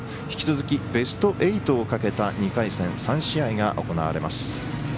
引き続きベスト８をかけた２回戦、３試合が行われます。